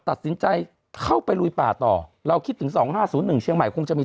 ตัดสินใจเข้าไปลุยป่าต่อเราคิดถึง๒๕๐๑เชียงใหม่คงจะมี